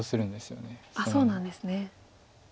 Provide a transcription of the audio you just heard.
そうなんですね。